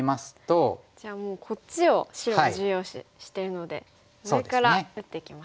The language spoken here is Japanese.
じゃあもうこっちを白は重要視してるので上から打っていきますか。